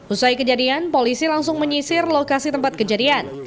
usai kejadian polisi langsung menyisir lokasi tempat kejadian